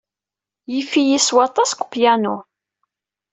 Yif-iyi s waṭas deg upyanu.